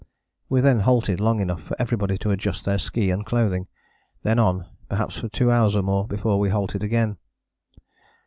We then halted long enough for everybody to adjust their ski and clothing: then on, perhaps for two hours or more, before we halted again.